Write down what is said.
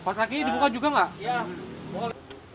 pas kakinya dibuka juga enggak